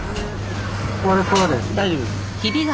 大丈夫です。